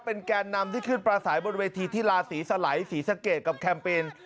แกนนำที่ขึ้นปลาสายบนเวทีที่ลาศรีสไหลศรีสะเกดกับแคมเปญ